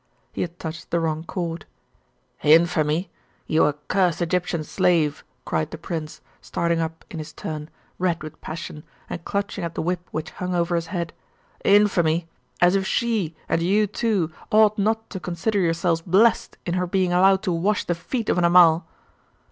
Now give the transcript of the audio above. He had touched the wrong chord. 'Infamy? you accursed Egyptian slave!' cried the prince, starting up in his turn, red with passion, and clutching at the whip which hung over his head. 'Infamy? As if she, and you too, ought not to consider yourselves blest in her being allowed to wash the feet of an Amal!